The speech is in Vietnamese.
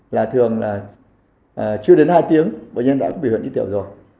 là thường là chưa đến hai tiếng bệnh nhân đã biểu hiện đi tiểu rồi